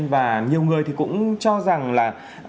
và nhiều người thì cũng cho rằng là